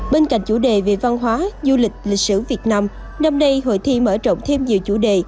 bên cạnh chủ đề về văn hóa du lịch lịch sử việt nam năm nay hội thi mở rộng thêm nhiều chủ đề